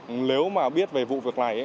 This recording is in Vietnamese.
nếu mà biết về vụ việc này